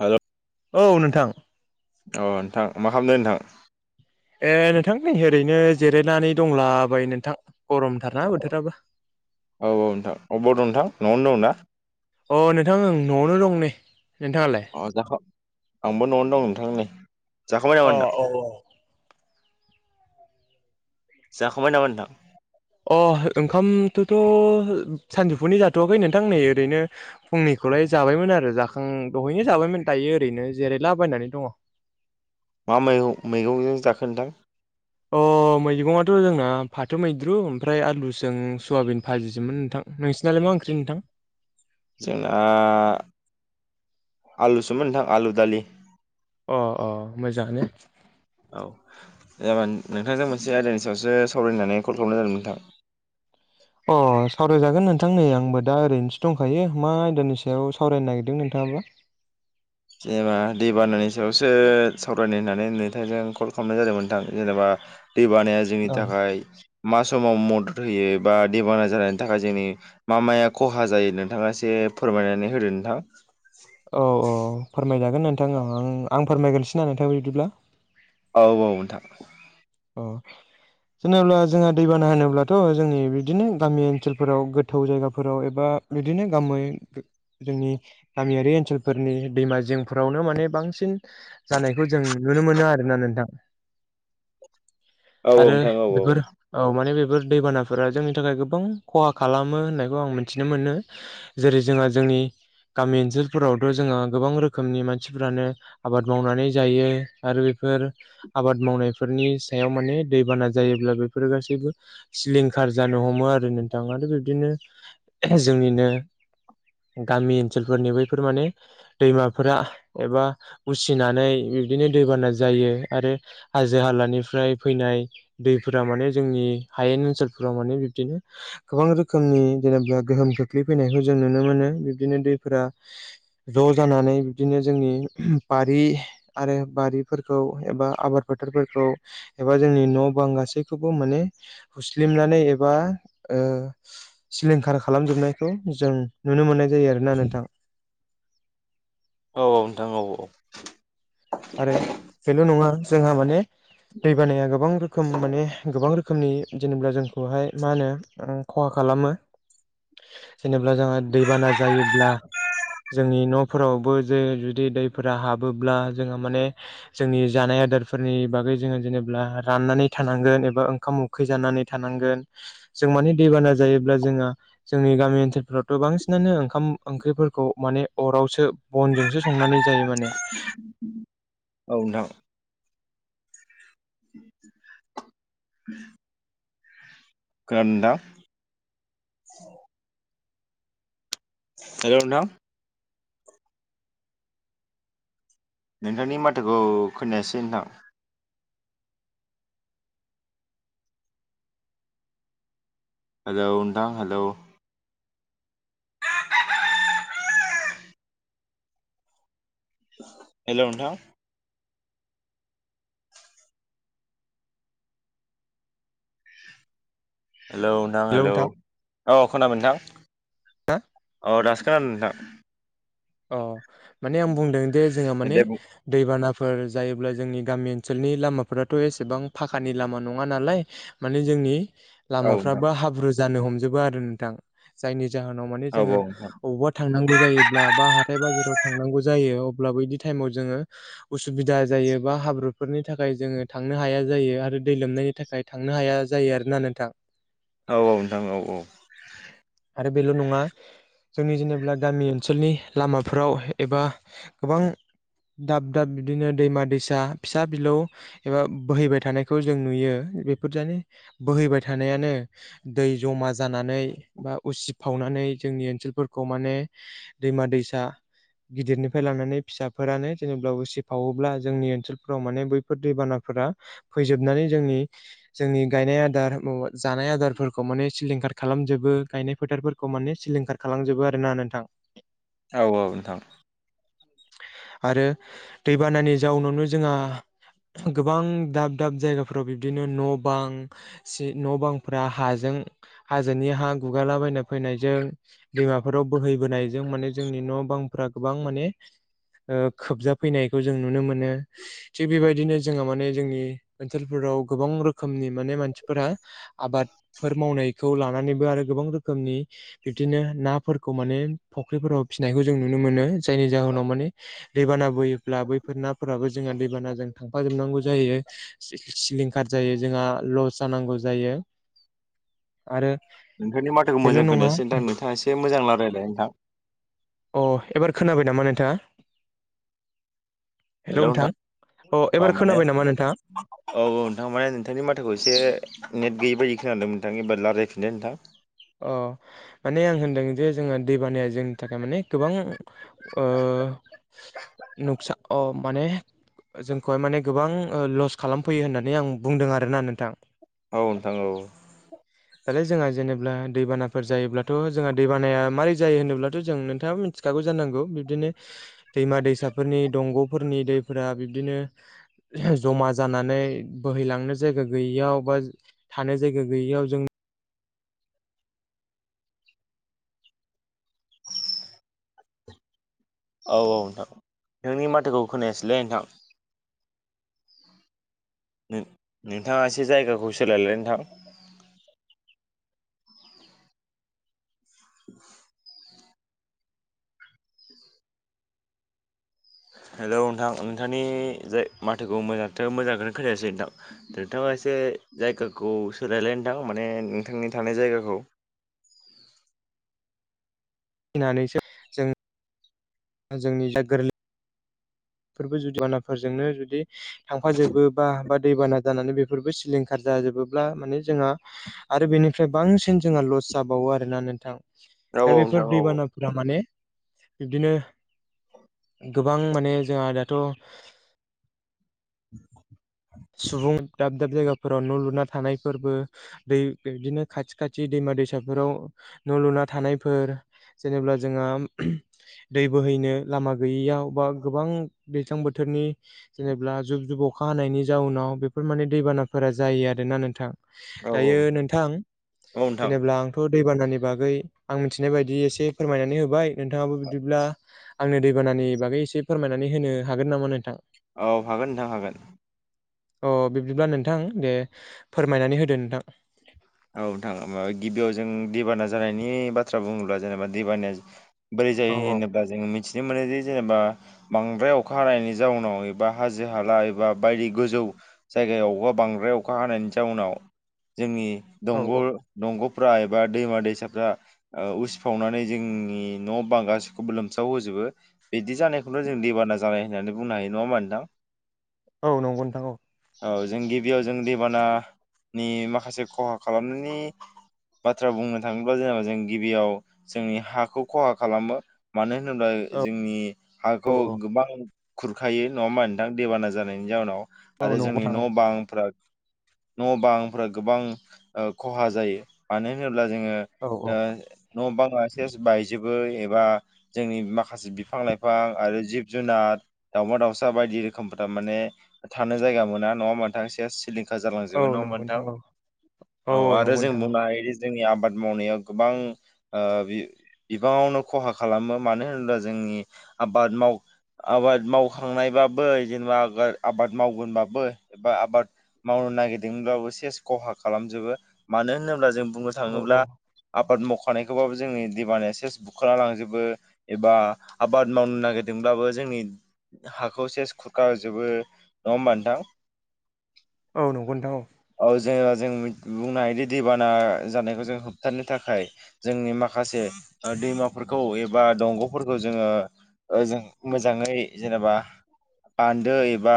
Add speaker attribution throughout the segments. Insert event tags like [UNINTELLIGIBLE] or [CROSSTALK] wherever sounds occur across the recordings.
Speaker 1: हेल
Speaker 2: औ नोंथां
Speaker 1: औ नोंथां मा खालामदों नोंथां?
Speaker 2: ए नोंथां नै ओरैनो जिरायनानै दंलाबायो नोंथां। गरमथारना
Speaker 1: औ
Speaker 2: बोथोराबो
Speaker 1: औ औ नोंथां अबाव दं नोंथां न'आवनो दं ना?
Speaker 2: अ नोंथां ओं न'आवनो दं नै। नोंथाङालाय
Speaker 1: अ जाखां आंबो न'आवनो दं नोंथां नै। जाखांबाय नामा
Speaker 2: अ
Speaker 1: नोंथां
Speaker 2: औ औ।
Speaker 1: जाखांबाय नामा नोंथां।
Speaker 2: अ ओंखामथ'थ' सानजौफुनि जाथ'वाखै नोंथां नै ओरैनो फंनि खौलाय जाबायमोन आरो जाखां दहैनो जाबायमोन दायो ओरैनो जेरैलाबायनानै दङ।
Speaker 1: मा मैगं मैगंजों जाखो नोथां।
Speaker 2: अ मैगङाथ' जोंना फाथो मैद्रु ओमफ्राय आलुजों सयाबिन भाजिसोमोन नोंथां। नोंसिनालाय मा ओंख्रि नोंथां?
Speaker 1: [INAUDIBLE] जोंना आलुसोमोन नोंथां आलु दालि।
Speaker 2: अ अ मोजाङानो।
Speaker 1: जा नोंथांजों मोनसे आयदानि सायावसो सावरायनानै कल खालामनाय जादों नोंथाङां।
Speaker 2: अ सावरायजागोन नोंथां नै आंबो दा ओरैनोसो दंखायो मा आयदानि सायाव सावरायनो नागिरदों नोंथां। नाबा
Speaker 1: [INAUDIBLE] जेनेबा दै बानानि सायावसो सावरायनो होननानै नोंथजों कल खालामनाय जादोंमोनोंथां जेनेबा दै बानाया जोंनि
Speaker 2: औ
Speaker 1: थाखाय मा समाव मदद होयो बा दैबांना जानायनि थाखाय जोंनि मा माया खहा जायो नोंथाङा एसे फोरमायनानै होदो नोंथां।
Speaker 2: औ औ फोरमायजागोन नोंथां आं आं फोरमायगोनसै ना नोंथां बिदिब्ला
Speaker 1: औ औ नोंथां।
Speaker 2: औ। होनोब्ला जोंहा दैबाना होनोब्लाथ' जोंनि बिदिनो गामि ओनसोलफोराव गोथौ जायगाफोराव एबा बिदिनो गामै जोंनि गामियारि ओनसोलफोरनि दैमा जिेंफोरावनो माने बांसिन जानायखौ जों नु नुनो मोनो आरोना नोंथां।
Speaker 1: [UNINTELLIGIBLE]
Speaker 2: आरो
Speaker 1: नोंथां औ नोंथां औ
Speaker 2: बेफोर औ माने बे बेफोर दैबानाफोरा जोंनि थाखाय गोबां खहा खालामो होननायखौ आं मिथिनो मोनो जेरै जोंहा जोंनि गामि ओनसोलफोरावथ' जोङो गोबां रोखोमनि मानसिफोरानो आबाद मावनानै जायो आरो बे फोर आबाद मावनाय फोरनि सायाव माने दैबाना जायोब्ला बेफोरो गासैबो सिलिंखार जानो हमो आरो नोंथा। आरो बिब्दिनो जोंनिनो गामि ओनसोलफोरनि बैफोर माने दैमाफोरा एबा उसिनानै बिबदिनो दैबाना जायो आरो जो हालानिफ्राय फैनाय दैफोरा माने जोंनि हायेन ओनसोलफोराव माने बिब्दिनो गोबां रोखोमनि जेनेबा गोहोम खोख्लैफैनायखौ जों नुनो मोनो बिब्दिनो दैफोरा ज जानानै बिदिनो जोंनि बारि आरो बारिफोरखौ एबा आबाद फोथारफोरखौ एबा जोंनि न' बां गासैखौबो माने हुस्लिमनानै एबा उ सिलिंखार खालामजोबनायखौ जों नुनो मोननाय जायो आरोना नोंथां
Speaker 1: औ औ नोंथां औ औ।
Speaker 2: आरो बेल' नङा जोंहा माने दैबानाया गोबां रोखोम माने गोबां रोखोम रोखोमनि जेनेबा जोंखौहाय मा होनो खहा खालामो। जेनेबा जोंहा दैबाना जायोब्ला जोंनि न'फोरावबो जे जुदि दैफोरा हाबोब्ला जोङो माने जोंनि जानाय आदारफोरनि बागै जोङो जेनेबा राननानै थानांगोन एबा ओंखाम उखै जानानै थानांगोन जों माने दैबाना जायोब्ला जोंहा जोंनि गामि ओनसोलफ्रावथ' गोबां बांसिनानो ओंखाम ओंख्रिफोरखौ माने अरावसो बनजोंसो संनानै जायो माने
Speaker 1: औ नोंथा। [UNINTELLIGIBLE] गान्दा हेलौ नोंथां नोंथांनि माथोखौ खोनायासै नोंथां। हेलौ नोंथां हेलौ हेलौ नोंथां। हेलौ नोंथां हेलौ अ खोनाबाय नोंथां।
Speaker 2: ना?
Speaker 1: औ दासो खोनादो नोंथां।
Speaker 2: अ माने आं बुंदों दे जोंहा माने
Speaker 1: दे बुं
Speaker 2: दैबानाफ फोर जायोब्ला जोंनि गामि ओनसोलनि लामाफोराथ' एसेबां फाखानि लामा नङा नालाय माने जोंनि
Speaker 1: औ नोंथां
Speaker 2: लामाफ्राबो हाब्रु जानो हमजोबो आरो नोंथां जायनि जाहोनाव माने
Speaker 1: औ
Speaker 2: जोङो
Speaker 1: औ नोंथां
Speaker 2: अबावबा थांनांगौ जायोब्ला बा हाथाय बाजाराव थांनांगौ जायो अब्लाबो बिदि थाइमाव जोङो उसुबिदा जायोबा हाब्रुफोरनि थाखाय जोङो थांनो हाया जायो आरो दै लोमनायनि थाखाय थांनो हाया जायो आरोना नोंथां
Speaker 1: औ औ नोंथां औ औ
Speaker 2: आरो बेल' नङा जोंनि जेनेबा गामि ओनसोलनि लामाफोराव एबा गोबां दाब दाब बिदिनो दैमा दैसा फिसा बिलौ एबा बोहैबाय थानायखौ जों नुयो बेफोरजोंनो बोहैबाय थानायानो दै जमा जानानै बा उसिफावनानै जोंनि ओनसोलफोरखौ माने दैमा दैसा गिदिरनिफ्राय लानानै फिसाफोरानो जेनेबब्ला उसिफावोब्ला जोंनि ओनसोलफोराव माने बैफोर दैबाना फोरा फैजोबनानै जोंनि जोंनि गायनाय आदार जानाय आदारफोरखौ माने सिलिंखा खार खालामजोबो गायनाय फोथारफोरखौ माने सिलिंखार खालामजोबो आरोना नोंथां
Speaker 1: औ नोंथां।
Speaker 2: आरो दैबानानि जाउनावनो जोंहा गोबां दाब दाब जायगाफोराव बिब्दिनो न' बां न' बांफोरा हाजों ओम हाजोनि हा गुगालाबायना फैनायजों दैमाफोराव बोहैबोनायजों माने जोंनि न' बांफ्रा गोबां माने ओ खोबजाफैनायखौ जों नुनो मोनो थिग बेबायदिनो जोंहा माने जोंनि ओनसोलफोर राव गोबां रोखोमनि माने मानसिफोरा आबादफोर मावनायखौ लानानैबो आरो गोबां रोखोमनि बिबदिनो नाफोरखौ माने फुख्रिफोराव फिसिनायखौ जों नुनो मोनो जायनि जाउ उनाव माने दैबाना बोयोब्ला बैफोर नाफोराबो जोंहा दैबानाजों थांफा जोबनांगौ जायो सिलिंखार जायो जोंहा लस जानांगौ जायो
Speaker 1: [INAUDIBLE]
Speaker 2: आरो
Speaker 1: नोंथांनि माथोखौ
Speaker 2: बेल'
Speaker 1: मोजां
Speaker 2: नङा
Speaker 1: खोनायासै नोंथां नोंथाङा एसे मोजां लारायलाय नोंथां
Speaker 2: अ एबार खोनाबाय नामा नोंथाङा हेलौ नोंथां
Speaker 1: अ
Speaker 2: एबार
Speaker 1: माने
Speaker 2: खोनाबाय नामा नोंथाङा
Speaker 1: औ औ नोंथां माने नोंथांनि माथोखौ एसे नेट गैयै बादि खोनदोंमोन नोंथां एबार राय्लायफिनदों नोंथां
Speaker 2: अ माने आं होनदों जे जोङो दैबानाया जोंनि थाखाय माने गोबां ओ नुखसा अ माने जोंखौहाय माने गोबां ओ लस खालामफैयो होननानै आं बुंदों आरोना नोंथां
Speaker 1: औ नोथां औ
Speaker 2: दालाय जोंहा जेनेब ब्ला दैबानाफोर जायोब्लाथ' जोंहा दैबाना मारै जायो होनोब्लाथ' जों नोंथाङाबा मिथिखागौ जानांगौ बिदिन नो दैमा दैसाफोरनि दंग'फोरनि दैफोरा बिदिनो जमा जाना नानै बोहैलांनो जायगा गैयैयाव बा थानो जायगा गैयियाव जों
Speaker 1: औ औ नोंथां नोंनि माथोखौ खोनायासैलै नोंथां नोंथाङा एसे जायगाखौ सोलायलाय नोंथां [INAUDIBLE] हेलौ नोंथां नोंथांनि जाय माथोखौ मोजांथ' मोजांखौनो खोनथायासै नोंथां नोंथाङा मोनसे जायगाखौ सोलायलाय नोंथां माने नोंथांनि थानाय जायगाखौ
Speaker 2: फिनानैसो जों जोंनि जा गोरलै फोरबो जुदि बानाफोरजोंनो जुदि थांफाजोबो बा बा दैबाना जानानै बेफोरबो सिलिंखार जाजोबोब्ला माने जोंहा आरो बेनिफ्राय बांसिन जोंहा लस जाबावो आरोना नोंथां
Speaker 1: औ
Speaker 2: दा
Speaker 1: औ नोंथां
Speaker 2: बेफोर
Speaker 1: औ
Speaker 2: दैबानाफोरा माने बिब्दिनो गोबां माने जोंहा दाथ'
Speaker 1: [INAUDIBLE]
Speaker 2: सुबुं दाब दाब जायगाफोराव न' लुना थानायफोरबो दै बिदिनो खाथि खाथि दैमा दैसाफोराव न' लुना थानायफोर जेनेब्ला जोंहा दै बोहैनो लामा गैयियाव बा गोबां दैज्लां बोथोरनि जेनेबा जुब जुब अखा अखा हानायनि जाउनाव बेफोर माने दैबानाफोरा जायो आरोना नोंथां
Speaker 1: औ
Speaker 2: दायो नोंथां
Speaker 1: औ नोंथां
Speaker 2: जेनेबा आंथ' दैबानानि बागै आं मिथिनाय बायदि एसे फोरमायनानै होबाय नोंथाङाबो बिदिब्ला आंनो दैबानानि बागै एसे फोरमायनानै होनो हागोन नामा नोंथां
Speaker 1: औ हागोन नोंथां हागोन
Speaker 2: अ बिब्दिब्ला नोंथां दे फोरमायनानै होदो नोंथां
Speaker 1: औ नोंथाङा माबा गिबियाव जों दैबाना जानायनि बाथ्रा बुङोब्ला जेनेबा दैबाना बोरै
Speaker 2: औ
Speaker 1: जायो होनोब्ला जों मिथिनो मोनो दि जेनेबा बांद्राय अखा हानायनि जाउनाव एबा हाजो हाला एबा बायदि गोजौ जाय जे अबा बांद्राय अखा हानायनि जाउनाव जोंनि
Speaker 2: औ
Speaker 1: दंग
Speaker 2: औ
Speaker 1: दंग फ्राय एबा दैमा दैसाफ्रा उसिफावनानै जोंनि न' बां गासिखौबो लोमसाव होजोबो बिदि जानायखौनो जों दैबाना जानाय होननानै बुंनो हायो नङा होमा नोंथां
Speaker 2: औ नंगौ नोंथां औ
Speaker 1: औ जों गिबियाव जों दैबानानि माखासे खहा खालामनायनि बाथ्रा बुंनो थाङोब्ला जेनेबा जों गिबियाव जोंनि हाखौ खहा खालामो मानो होनोब्ला जोंनि
Speaker 2: औ
Speaker 1: हाखौ
Speaker 2: औ
Speaker 1: गोबां खुरखायो नङा होमबा नोंथां देबाना जानायनि जाउनाव
Speaker 2: औ
Speaker 1: आरो
Speaker 2: नंगौ
Speaker 1: जोंनि
Speaker 2: नोंथां
Speaker 1: न' बांफ्रा न' बांफ्रा गोबां खहा जायो मानो होनोब्ला जोङो
Speaker 2: औ
Speaker 1: ओ न' बांआ सेस बायजोबो बो एबा जोंनि बिाफां लाइफां आरो जिब जुनार दावमा दाउसा बायदि रोखोमफोर माने थानो जायगा मोना नङा होनबा नोंथां सेस सिलिं खार
Speaker 2: औ
Speaker 1: जालांजोबो
Speaker 2: नंगौ
Speaker 1: नोंथां
Speaker 2: औ
Speaker 1: औ आरो
Speaker 2: नंगौ
Speaker 1: जों
Speaker 2: नोंथां औ
Speaker 1: बुंनो हायोदि जोंनि आबाद मावनायाव गोबां ओ बिबाङावनो खहा खालामो मानो होनोब्ला जोंनि आबाद माव आबाद मावखांनायबाबो जेनेबा आ आबाद मावगोनबाबो एबा आबाद मावनो नागिरदोंब्लाबो सेस खहा खालामजोबो मानो होनोब्ला जों बुंनो
Speaker 2: औ
Speaker 1: थाङोब्ला
Speaker 2: औ
Speaker 1: आबाद मख मावखानायखौबाबो जोंनि दैबानाया सेस खुरखाना लांजोबो एबा आबाद मावनो नागिरदोंब्लाबो जों जोंनि हाखौ सेस कुरखा जोबो नंङा होनबा नोंथां
Speaker 2: औ नंगौ नोंथां औ
Speaker 1: जों बुंनो हायोदि दैबाना जानायखौ जों होबथानो थाखाय जोंनि माखासे दैमाफोरखौ एबा दंग'फोरखौ जोङो जों मोजाङै जेनेबा बान्दो एबा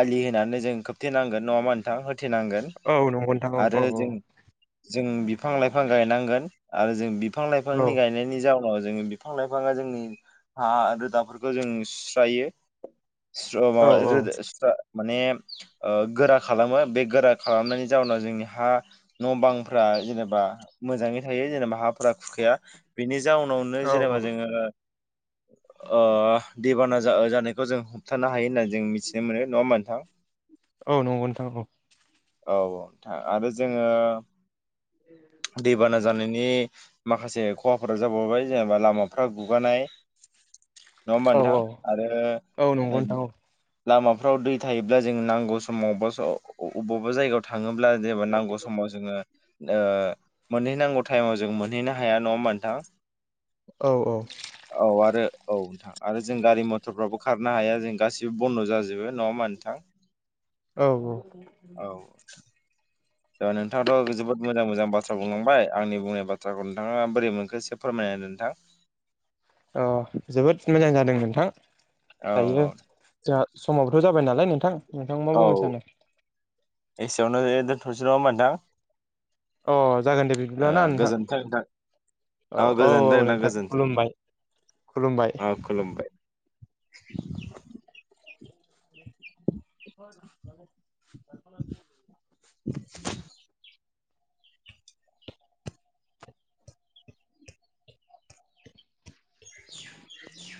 Speaker 1: आलि होनानै जों खोबथेनांगोन नङा होनबा नोंथां होथेनांगोन
Speaker 2: औ नंगौ
Speaker 1: आरो
Speaker 2: औ
Speaker 1: जों
Speaker 2: औ औ
Speaker 1: जों बिफां लाइफां गायनांगोन आरो जों बिफां
Speaker 2: औ
Speaker 1: लाइफांनि गायनायनि जाउ नाव जों बिफां लाइफाङा जोंनि हा रोदाफोरखौ जों सुस्रायो।
Speaker 2: औ
Speaker 1: सुस्रबा [UNINTELLIGIBLE] माने ओ गोरा खालामो बे गोरा खालामनायनि जाहोनाव जोंनि हा न' बांफोरा जेनेबा मोजाङै थायो जेनेबा हाफोरा खुखाया बेनि जाउनावनो
Speaker 2: औ
Speaker 1: जेनेबा
Speaker 2: औ
Speaker 1: जोङो ओ दैबाना जा-जानायखौ जों होबथानो हायो होनना जों मिथिनो मोनो नङा होमबा नोंथां?
Speaker 2: औ नंगौ नोंथां औ।
Speaker 1: औ औ नोंथां आरो जोङो दैबाना जानायनि माखासे खहाफोरा जाबावबाय जेनेबा लामाफ्रा गुगानाय नङा होमबा
Speaker 2: औ
Speaker 1: नोंथां
Speaker 2: औ
Speaker 1: आरो
Speaker 2: औ नंगौ नोंथां औ
Speaker 1: [UNINTELLIGIBLE] लामाफ्राव दै थायोब्ला जों नांगौ समाव अबेबा समाव अबावबा अबावबा जायगायाव थाङो ब्ला नांगौ समाव जोङो ओ मोनहैनांगौ टाइमाव जों मोनहैनो हाया नङा होमबा नोथां।
Speaker 2: औ औ।
Speaker 1: आरो औ नोंथां आरो जों गारि मथरफ्राबो खारनो हाया। जों गासिबो बन्द' जाजोबो। नङा नोथां।
Speaker 2: औ औ
Speaker 1: औ। ओ नोंथाङाथ' जोबोद मोजां मोजां बाथ्रा बुंलांबाय आंनि बुंनाय बाथ्राखौ नोंथाङा बोरै मोनखो एसे फोरमाय हेलौ नोंथां।
Speaker 2: अ जोबोद मोजां जादों नोंथां।
Speaker 1: औ
Speaker 2: दायो जोंहा समाबोथ' जाबाय नालाय नोंथां नोंथां मा
Speaker 1: औ
Speaker 2: बुंनो सानो?
Speaker 1: एसेयावनो दोनथ'सै नङा होनबा नोंथां?
Speaker 2: अ जागोन दे बिदिब्ला
Speaker 1: ओ
Speaker 2: ना नोंथां
Speaker 1: गोजोनथों नोंथां। औ गोजोनथों नोंथां गोजोनथों
Speaker 2: खुलुमबाय
Speaker 1: औ खुलुमबाय। [INAUDIBLE]
Speaker 2: [INAUDIBLE]
Speaker 1: [INAUDIBLE] [INAUDIBLE]